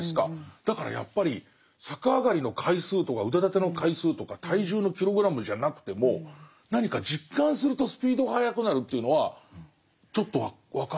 だからやっぱり逆上がりの回数とか腕立ての回数とか体重のキログラムじゃなくても何か実感するとスピードが速くなるというのはちょっと分かる。